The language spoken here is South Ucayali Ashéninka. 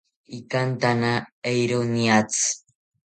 Ikantana eero niatzi